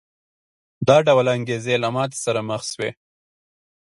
دا ډول انګېزې له ماتې سره مخ شوې.